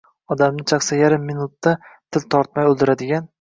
odamni chaqsa, yarim minutda til tortmay o‘ldiradigan